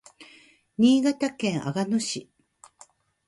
新潟県阿賀野市